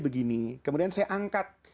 begini kemudian saya angkat